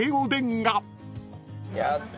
やった！